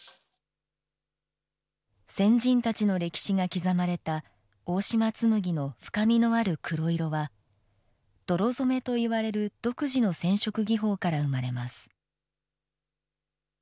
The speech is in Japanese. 先人たちの歴史が刻まれた大島紬の深みの黒色は泥染めといわれる独自の染色技法から生まれます。